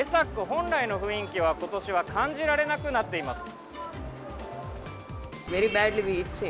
本来の雰囲気はことしは感じられなくなっています。